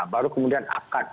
baru kemudian akat